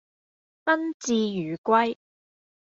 賓至如歸